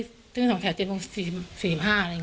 ซึงถึงแถว๗โมง๔๕ทุกวัน